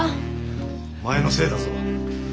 お前のせいだぞ。